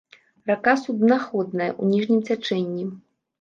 Рака суднаходная ў ніжнім цячэнні.